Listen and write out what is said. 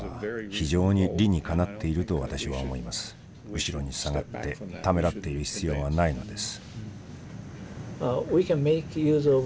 後ろに下がってためらっている必要はないのです。